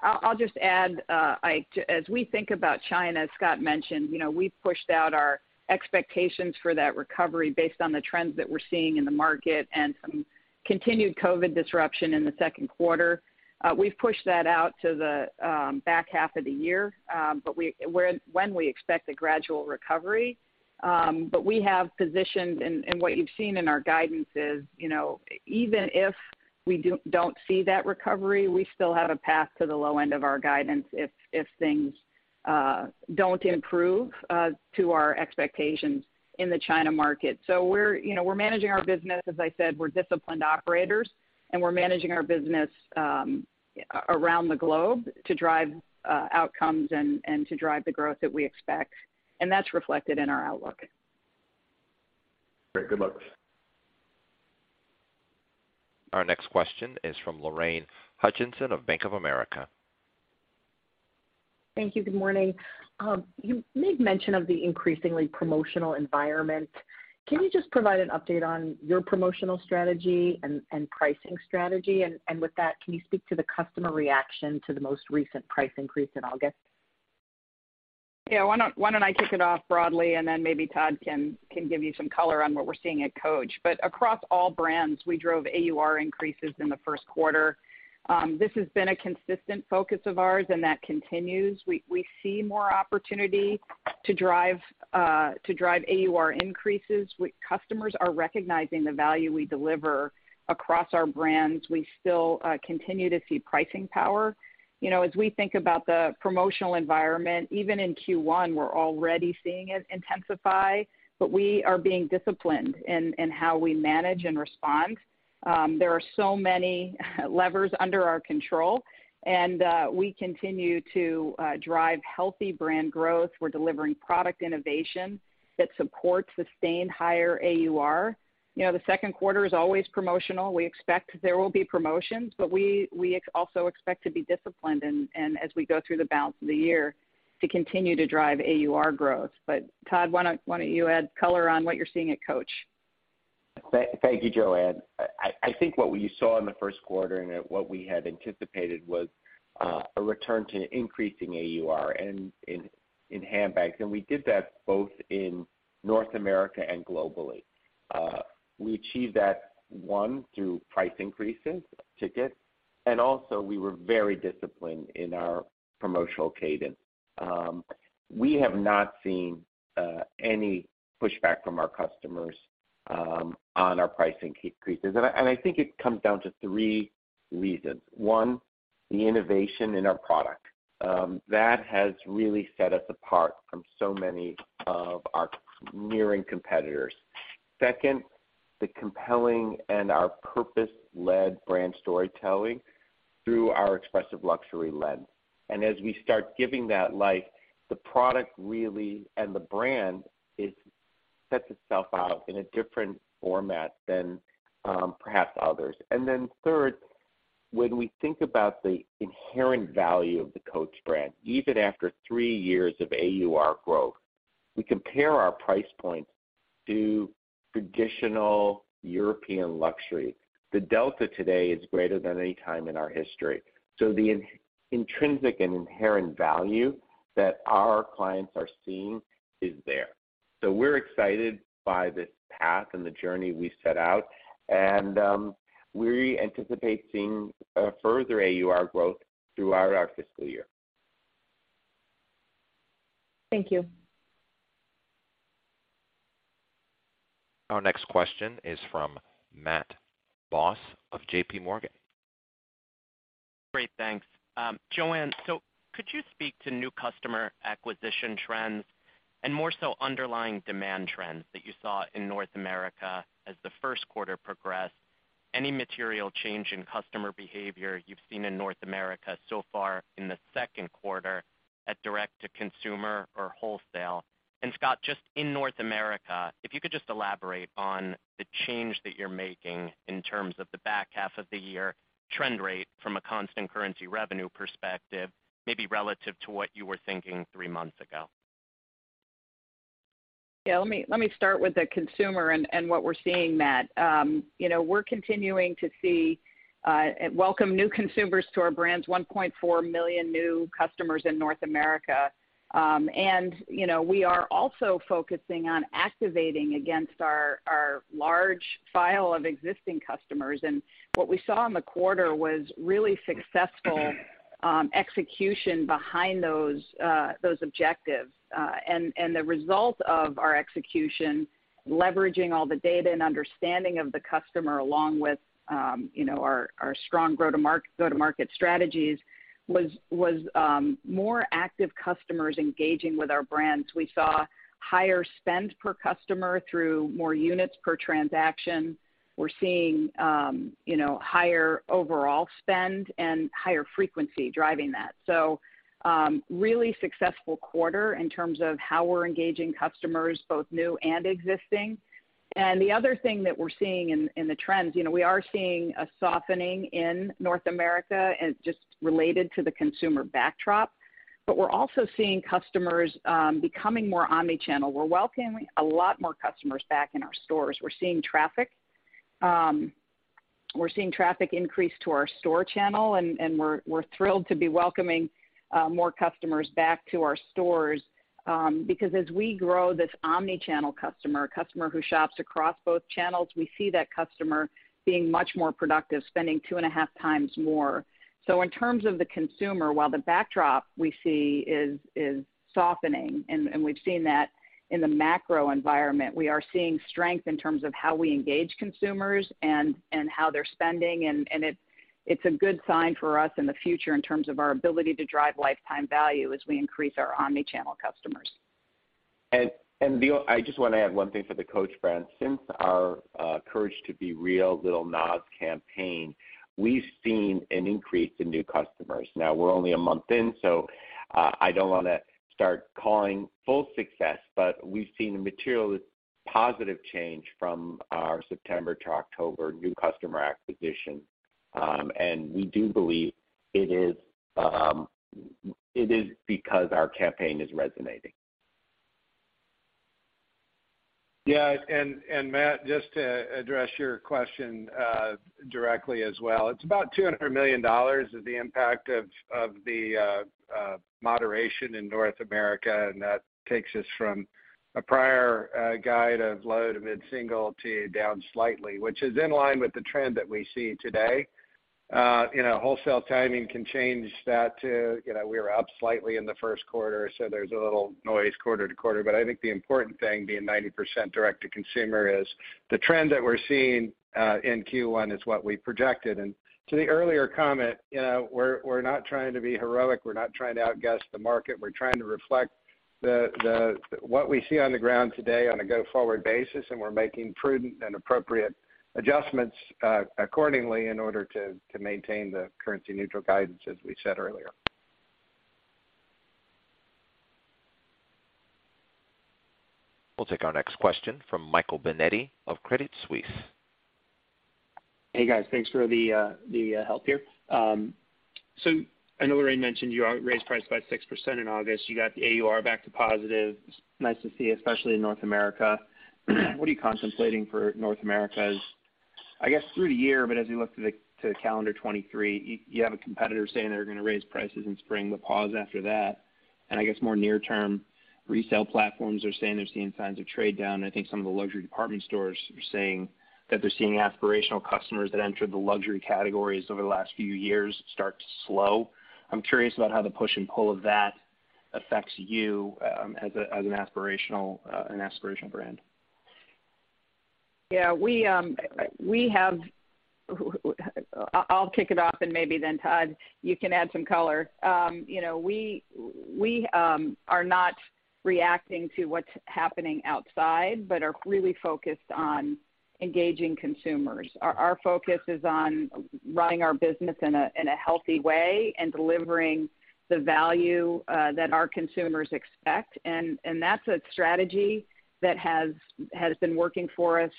I'll just add, as we think about China, as Scott mentioned, you know, we've pushed out our expectations for that recovery based on the trends that we're seeing in the market and some continued COVID disruption in the second quarter. We've pushed that out to the back half of the year, but when we expect a gradual recovery. But we have positioned, and what you've seen in our guidance is, you know, even if we don't see that recovery, we still have a path to the low end of our guidance if things don't improve to our expectations in the China market. We're, you know, we're managing our business. As I said, we're disciplined operators, and we're managing our business around the globe to drive outcomes and to drive the growth that we expect. That's reflected in our outlook. Great. Good luck. Our next question is from Lorraine Hutchinson of Bank of America. Thank you. Good morning. You made mention of the increasingly promotional environment. Can you just provide an update on your promotional strategy and pricing strategy? With that, can you speak to the customer reaction to the most recent price increase in August? Why don't I kick it off broadly, and then maybe Todd can give you some color on what we're seeing at Coach. Across all brands, we drove AUR increases in the first quarter. This has been a consistent focus of ours, and that continues. We see more opportunity to drive AUR increases. Customers are recognizing the value we deliver across our brands. We still continue to see pricing power. You know, as we think about the promotional environment, even in Q1, we're already seeing it intensify. We are being disciplined in how we manage and respond. There are so many levers under our control, and we continue to drive healthy brand growth. We're delivering product innovation that supports sustained higher AUR. You know, the second quarter is always promotional. We expect there will be promotions, but we also expect to be disciplined and as we go through the balance of the year to continue to drive AUR growth. Todd, why don't you add color on what you're seeing at Coach? Thank you, Joanne. I think what we saw in the first quarter and what we had anticipated was a return to increasing AUR in handbags, and we did that both in North America and globally. We achieved that, one, through price increases, tickets, and also we were very disciplined in our promotional cadence. We have not seen any pushback from our customers on our pricing increases. I think it comes down to three reasons. One, the innovation in our product. That has really set us apart from so many of our peer competitors. Second, the compelling and our purpose-led brand storytelling through our expressive luxury lens. As we start giving that life, the product really and the brand sets itself out in a different format than perhaps others. Third, when we think about the inherent value of the Coach brand, even after three years of AUR growth, we compare our price points to traditional European luxury. The delta today is greater than any time in our history. The intrinsic and inherent value that our clients are seeing is there. We're excited by this path and the journey we set out. We anticipate seeing a further AUR growth throughout our fiscal year. Thank you. Our next question is from Matt Boss of JPMorgan. Great. Thanks. Joanne, so could you speak to new customer acquisition trends and more so underlying demand trends that you saw in North America as the first quarter progressed, any material change in customer behavior you've seen in North America so far in the second quarter at direct-to-consumer or wholesale? Scott, just in North America, if you could just elaborate on the change that you're making in terms of the back half of the year trend rate from a constant currency revenue perspective, maybe relative to what you were thinking three months ago. Yeah. Let me start with the consumer and what we're seeing, Matt. You know, we're continuing to see welcome new consumers to our brands, 1.4 million new customers in North America. You know, we are also focusing on activating against our large file of existing customers. What we saw in the quarter was really successful execution behind those objectives. The result of our execution, leveraging all the data and understanding of the customer along with, you know, our strong go-to-market strategies was more active customers engaging with our brands. We saw higher spend per customer through more units per transaction. We're seeing, you know, higher overall spend and higher frequency driving that. Really successful quarter in terms of how we're engaging customers, both new and existing. The other thing that we're seeing in the trends, you know, we are seeing a softening in North America and just related to the consumer backdrop, but we're also seeing customers becoming more omni-channel. We're welcoming a lot more customers back in our stores. We're seeing traffic increase to our store channel, and we're thrilled to be welcoming more customers back to our stores. Because as we grow this omni-channel customer, a customer who shops across both channels, we see that customer being much more productive, spending 2.5x more. In terms of the consumer, while the backdrop we see is softening, and we've seen that in the macro environment, we are seeing strength in terms of how we engage consumers and how they're spending. It's a good sign for us in the future in terms of our ability to drive lifetime value as we increase our omni-channel customers. I just wanna add one thing for the Coach brand. Since our Courage to Be Real Lil Nas X campaign, we've seen an increase in new customers. Now we're only a month in, so I don't wanna start calling full success, but we've seen a material positive change from our September to October new customer acquisition. We do believe it is because our campaign is resonating. Yeah, Matt, just to address your question directly as well. It's about $200 million of the impact of the moderation in North America, and that takes us from a prior guide of low to mid-single to down slightly, which is in line with the trend that we see today. You know, wholesale timing can change that to, you know, we are up slightly in the first quarter, so there's a little noise quarter to quarter. I think the important thing, being 90% direct-to-consumer, is the trend that we're seeing in Q1 is what we projected. To the earlier comment, you know, we're not trying to be heroic. We're not trying to outguess the market. We're trying to reflect what we see on the ground today on a go-forward basis, and we're making prudent and appropriate adjustments accordingly in order to maintain the currency neutral guidance, as we said earlier. We'll take our next question from Michael Binetti of Credit Suisse. Hey, guys. Thanks for the help here. So I know Lorraine mentioned you raised price by 6% in August. You got the AUR back to positive. Nice to see, especially in North America. What are you contemplating for North America as I guess through the year, but as we look to calendar 2023, you have a competitor saying they're gonna raise prices in spring but pause after that. I guess more near term, resale platforms are saying they're seeing signs of trade down. I think some of the luxury department stores are saying that they're seeing aspirational customers that entered the luxury categories over the last few years start to slow. I'm curious about how the push and pull of that affects you as an aspirational brand. Yeah. We have. I'll kick it off and maybe then Todd, you can add some color. You know, we are not reacting to what's happening outside, but are really focused on engaging consumers. Our focus is on running our business in a healthy way and delivering the value that our consumers expect. That's a strategy that has been working for us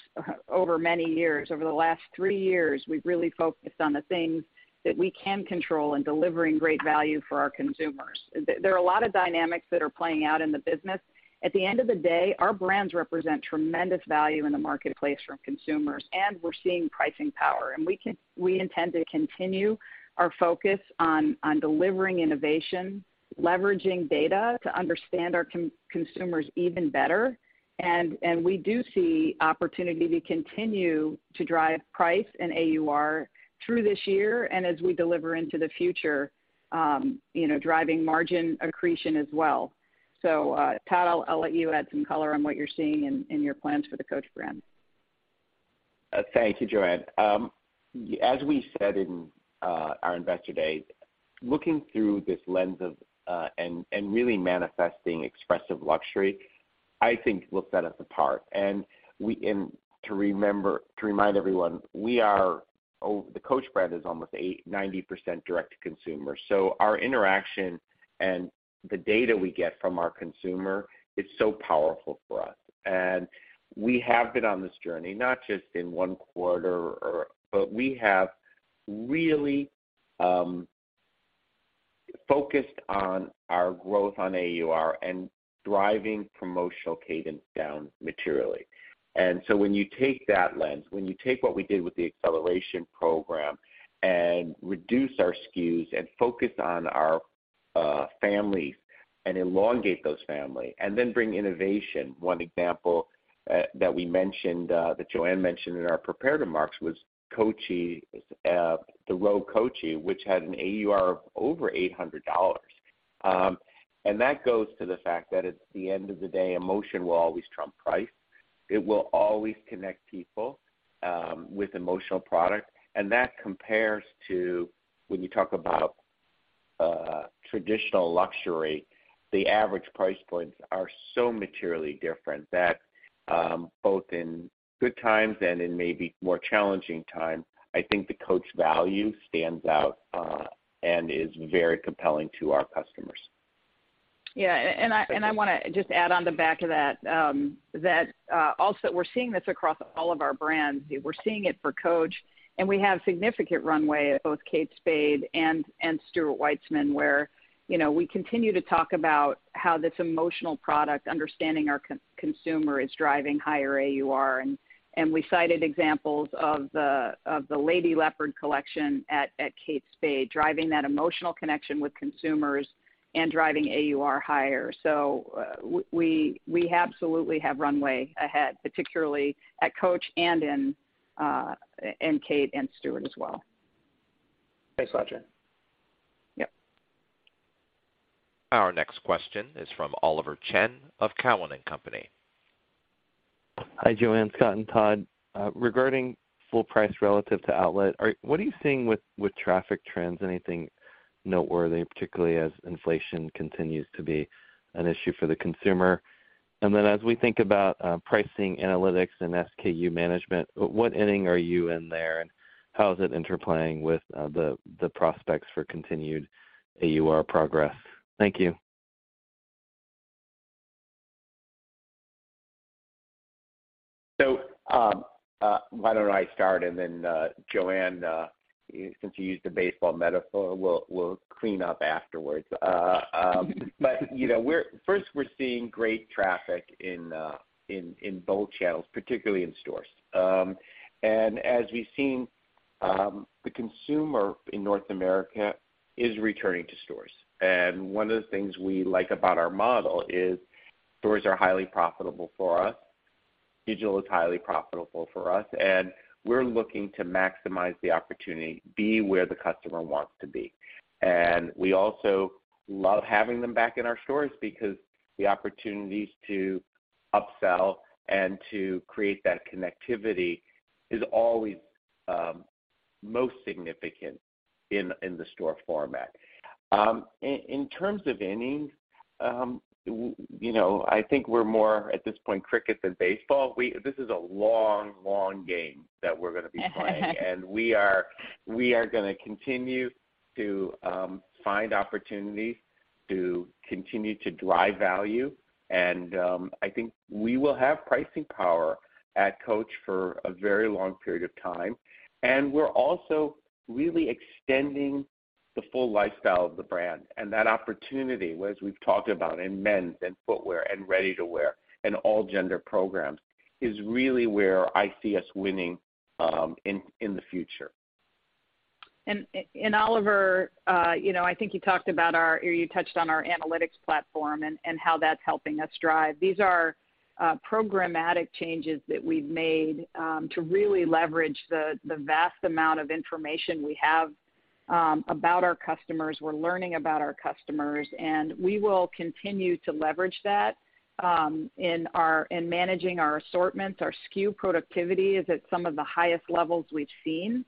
over many years. Over the last three years, we've really focused on the things that we can control and delivering great value for our consumers. There are a lot of dynamics that are playing out in the business. At the end of the day, our brands represent tremendous value in the marketplace for consumers, and we're seeing pricing power. We intend to continue our focus on delivering innovation, leveraging data to understand our consumers even better. We do see opportunity to continue to drive price and AUR through this year and as we deliver into the future, you know, driving margin accretion as well. Todd, I'll let you add some color on what you're seeing in your plans for the Coach brand. Thank you, Joanne. As we said in our Investor Day, looking through this lens of really manifesting expressive luxury, I think will set us apart. To remind everyone, the Coach brand is almost 90% direct-to-consumer. Our interaction and the data we get from our consumer is so powerful for us. We have been on this journey, not just in one quarter. We have really focused on our growth on AUR and driving promotional cadence down materially. When you take that lens, when you take what we did with the acceleration program and reduce our SKUs and focus on our families and elongate those family and then bring innovation. One example that we mentioned that Joanne mentioned in our prepared remarks was Coachies, the Rogue Coachies, which had an AUR of over $800. That goes to the fact that at the end of the day, emotion will always trump price. It will always connect people with emotional product. That compares to when you talk about traditional luxury, the average price points are so materially different that both in good times and in maybe more challenging time, I think the Coach value stands out and is very compelling to our customers. Yeah. I wanna just add on the back of that, also we're seeing this across all of our brands. We're seeing it for Coach, and we have significant runway at both Kate Spade and Stuart Weitzman, where, you know, we continue to talk about how this emotional product, understanding our consumer, is driving higher AUR. We cited examples of the Lady Leopard collection at Kate Spade, driving that emotional connection with consumers and driving AUR higher. We absolutely have runway ahead, particularly at Coach and in Kate and Stuart as well. Thanks, Joanne. Yep. Our next question is from Oliver Chen of Cowen and Company. Hi, Joanne, Scott, and Todd. Regarding full price relative to outlet, what are you seeing with traffic trends? Anything noteworthy, particularly as inflation continues to be an issue for the consumer? As we think about pricing, analytics, and SKU management, what inning are you in there, and how is it interplaying with the prospects for continued AUR progress? Thank you. Why don't I start and then, Joanne, since you used a baseball metaphor, will clean up afterwards. You know, we're seeing great traffic in both channels, particularly in stores. As we've seen, the consumer in North America is returning to stores. One of the things we like about our model is stores are highly profitable for us, digital is highly profitable for us, and we're looking to maximize the opportunity, be where the customer wants to be. We also love having them back in our stores because the opportunities to upsell and to create that connectivity is always most significant in the store format. In terms of innings, you know, I think we're more, at this point, cricket than baseball. This is a long, long game that we're gonna be playing. We are gonna continue to find opportunities to continue to drive value. I think we will have pricing power at Coach for a very long period of time. We're also really extending the full lifestyle of the brand and that opportunity, as we've talked about in men's and footwear and ready-to-wear and all gender programs, is really where I see us winning in the future. Oliver, you know, I think you talked about our, or you touched on our analytics platform and how that's helping us drive. These are programmatic changes that we've made to really leverage the vast amount of information we have about our customers. We're learning about our customers, and we will continue to leverage that. In managing our assortments, our SKU productivity is at some of the highest levels we've seen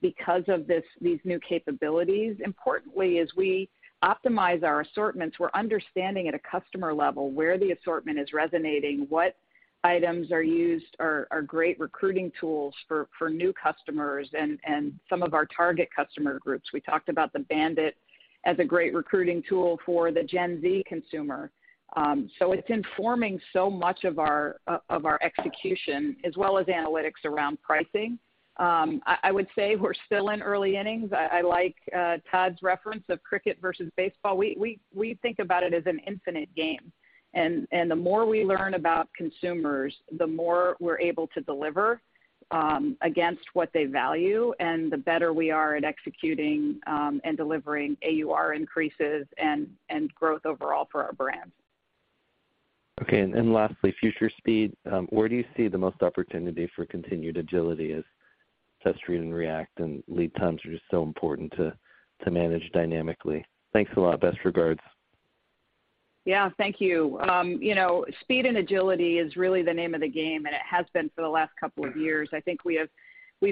because of these new capabilities. Importantly, as we optimize our assortments, we're understanding at a customer level where the assortment is resonating, what items are great recruiting tools for new customers and some of our target customer groups. We talked about the Bandit as a great recruiting tool for the Gen Z consumer. It's informing so much of our execution as well as analytics around pricing. I would say we're still in early innings. I like Todd's reference of cricket versus baseball. We think about it as an infinite game. The more we learn about consumers, the more we're able to deliver against what they value and the better we are at executing and delivering AUR increases and growth overall for our brands. Okay. Lastly, Future Speed. Where do you see the most opportunity for continued agility as Test, Read, and React and lead times are just so important to manage dynamically? Thanks a lot. Best regards. Yeah, thank you. You know, speed and agility is really the name of the game, and it has been for the last couple of years. I think we've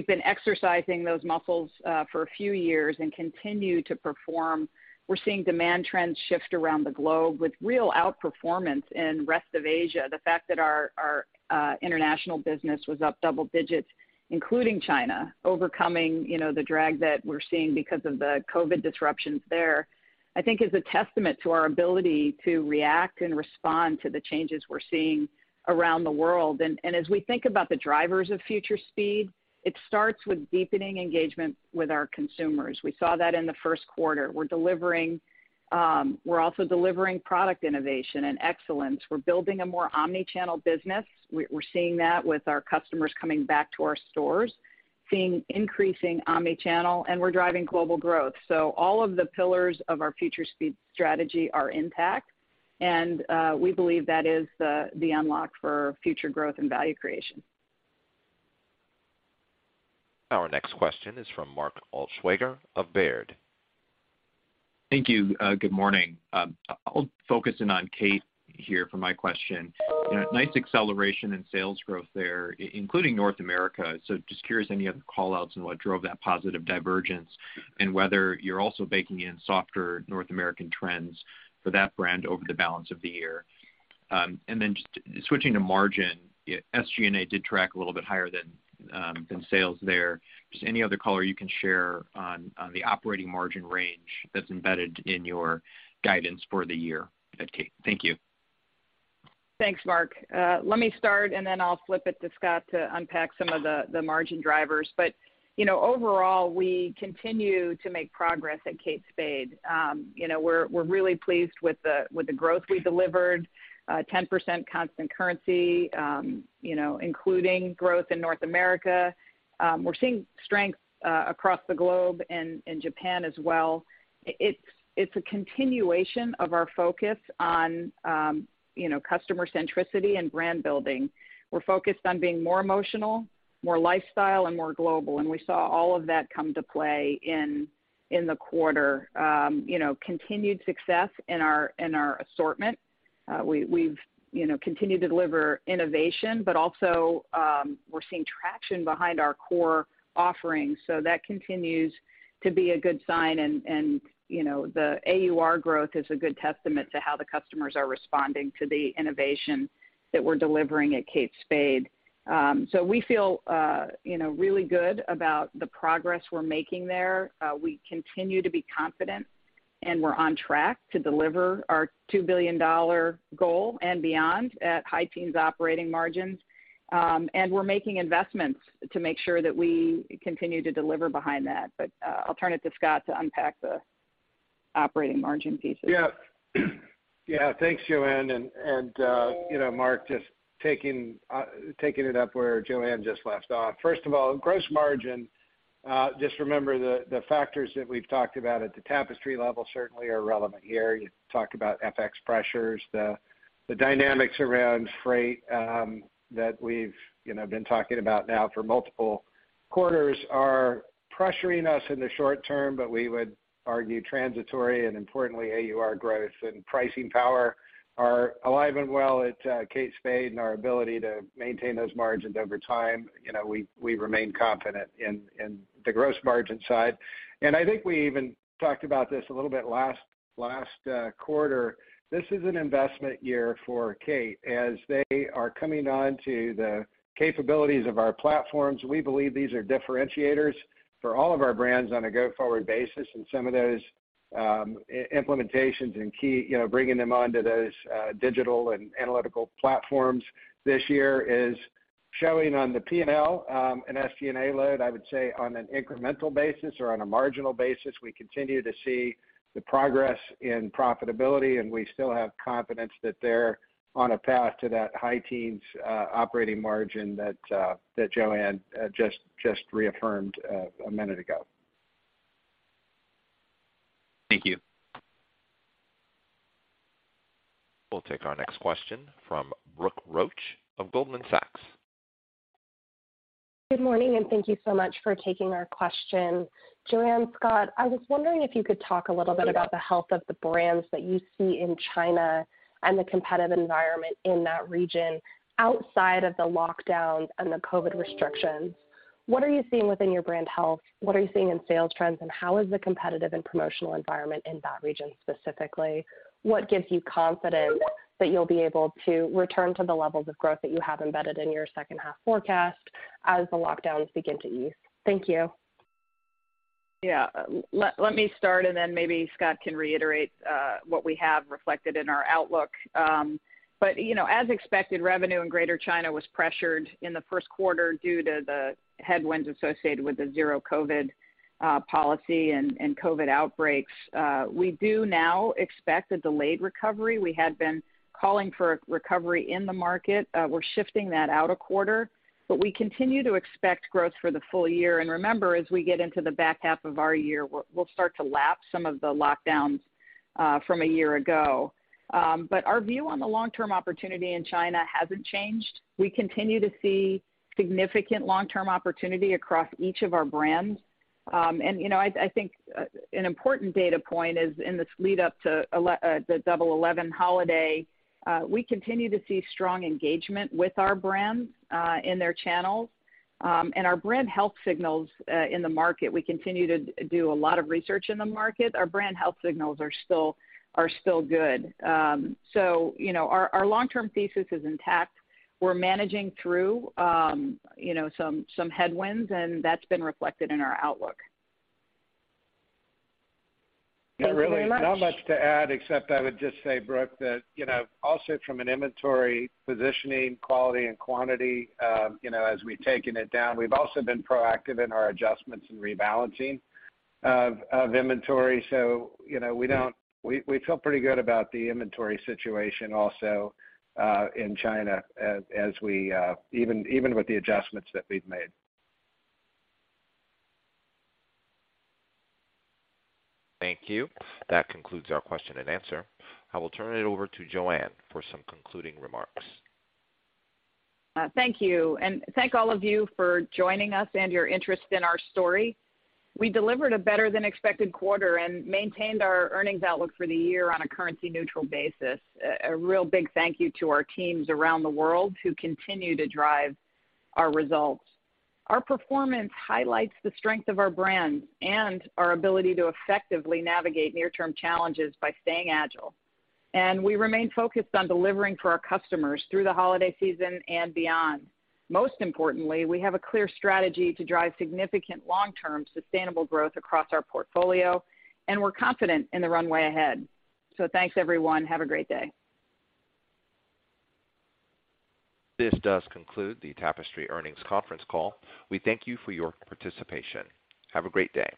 been exercising those muscles for a few years and continue to perform. We're seeing demand trends shift around the globe with real outperformance in rest of Asia. The fact that our international business was up double digits, including China, overcoming, you know, the drag that we're seeing because of the COVID disruptions there, I think is a testament to our ability to react and respond to the changes we're seeing around the world. As we think about the drivers of Future Speed, it starts with deepening engagement with our consumers. We saw that in the first quarter. We're delivering. We're also delivering product innovation and excellence. We're building a more omnichannel business. We're seeing that with our customers coming back to our stores, seeing increasing omni-channel, and we're driving global growth. All of the pillars of our Future Speed strategy are intact, and we believe that is the unlock for future growth and value creation. Our next question is from Mark Altschwager of Baird. Thank you. Good morning. I'll focus in on Kate here for my question. You know, nice acceleration in sales growth there, including North America. Just curious, any other callouts on what drove that positive divergence and whether you're also baking in softer North American trends for that brand over the balance of the year. Just switching to margin, SG&A did track a little bit higher than sales there. Just any other color you can share on the operating margin range that's embedded in your guidance for the year at Kate. Thank you. Thanks, Mark. Let me start, and then I'll flip it to Scott to unpack some of the margin drivers. You know, overall, we continue to make progress at Kate Spade. You know, we're really pleased with the growth we delivered, 10% constant currency, you know, including growth in North America. We're seeing strength across the globe and in Japan as well. It's a continuation of our focus on customer centricity and brand building. We're focused on being more emotional, more lifestyle, and more global, and we saw all of that come into play in the quarter. You know, continued success in our assortment. We've continued to deliver innovation, but also, we're seeing traction behind our core offerings. That continues to be a good sign and, you know, the AUR growth is a good testament to how the customers are responding to the innovation that we're delivering at Kate Spade. We feel, you know, really good about the progress we're making there. We continue to be confident, and we're on track to deliver our $2 billion goal and beyond at high teens operating margins. We're making investments to make sure that we continue to deliver behind that. I'll turn it to Scott to unpack the operating margin pieces. Yeah. Thanks, Joanne. You know, Mark, just taking it up where Joanne just left off. First of all, gross margin, just remember the factors that we've talked about at the Tapestry level certainly are relevant here. You talked about FX pressures. The dynamics around freight that we've you know been talking about now for multiple quarters are pressuring us in the short term, but we would argue transitory, and importantly, AUR growth and pricing power are alive and well at Kate Spade and our ability to maintain those margins over time. You know, we remain confident in the gross margin side. I think we even talked about this a little bit last quarter. This is an investment year for Kate as they are coming on to the capabilities of our platforms. We believe these are differentiators for all of our brands on a go-forward basis, and some of those, implementations and key, you know, bringing them onto those, digital and analytical platforms this year is showing on the P&L, and SG&A load, I would say on an incremental basis or on a marginal basis. We continue to see the progress in profitability, and we still have confidence that they're on a path to that high teens, operating margin that Joanne, just reaffirmed, a minute ago. Thank you. We'll take our next question from Brooke Roach of Goldman Sachs. Good morning, and thank you so much for taking our question. Joanne, Scott, I was wondering if you could talk a little bit about the health of the brands that you see in China and the competitive environment in that region outside of the lockdowns and the COVID restrictions. What are you seeing within your brand health? What are you seeing in sales trends, and how is the competitive and promotional environment in that region specifically? What gives you confidence that you'll be able to return to the levels of growth that you have embedded in your second half forecast as the lockdowns begin to ease? Thank you. Let me start, and then maybe Scott can reiterate what we have reflected in our outlook. You know, as expected, revenue in Greater China was pressured in the first quarter due to the headwinds associated with the zero-COVID policy and COVID outbreaks. We do now expect a delayed recovery. We had been calling for a recovery in the market. We're shifting that out a quarter, but we continue to expect growth for the full year. Remember, as we get into the back half of our year, we'll start to lap some of the lockdowns from a year ago. Our view on the long-term opportunity in China hasn't changed. We continue to see significant long-term opportunity across each of our brands. I think an important data point is in this lead up to the Double 11 holiday. We continue to see strong engagement with our brands in their channels. Our brand health signals in the market. We continue to do a lot of research in the market. Our brand health signals are still good. You know, our long-term thesis is intact. We're managing through you know, some headwinds, and that's been reflected in our outlook. Thank you very much. Not really, not much to add, except I would just say, Brooke, that you know also from an inventory positioning, quality and quantity, you know, as we've taken it down, we've also been proactive in our adjustments and rebalancing of inventory. You know, we feel pretty good about the inventory situation also in China as we even with the adjustments that we've made. Thank you. That concludes our question and answer. I will turn it over to Joanne for some concluding remarks. Thank you. Thank all of you for joining us and your interest in our story. We delivered a better-than-expected quarter and maintained our earnings outlook for the year on a currency-neutral basis. A real big thank you to our teams around the world who continue to drive our results. Our performance highlights the strength of our brand and our ability to effectively navigate near-term challenges by staying agile. We remain focused on delivering for our customers through the holiday season and beyond. Most importantly, we have a clear strategy to drive significant long-term sustainable growth across our portfolio, and we're confident in the runway ahead. Thanks everyone. Have a great day. This does conclude the Tapestry earnings conference call. We thank you for your participation. Have a great day.